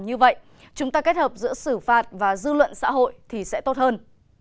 như vậy chúng ta kết hợp giữa xử phạt và dư luận xã hội thì sẽ tốt hơn